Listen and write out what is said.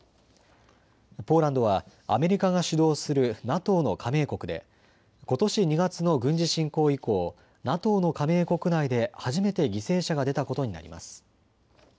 ポーランドはアメリカが主導するＮＡＴＯの加盟国でことし２月の軍事侵攻以降、ＮＡＴＯの加盟国内で初めて犠牲者が出たことになります。